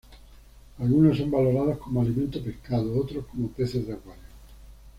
Algunos son valorados como alimento pescado, otros como peces de acuario.